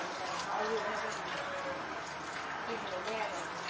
ซึมไปเองคือคือไม่ใช่เราจะมีความรู้สึกว่ามันไปเองอะ